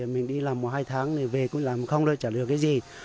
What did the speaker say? mình đi làm một hai tháng thì về cũng làm không được trả được cái gì